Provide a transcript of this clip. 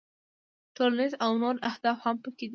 ټولنیز او نور اهداف هم پکې دي.